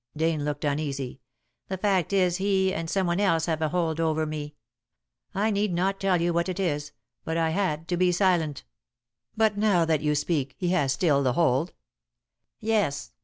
Dane looked uneasy. "The fact is he and some one else have a hold over me. I need not tell you what it is, but I had to be silent." "But now that you speak he has still the hold." "Yes.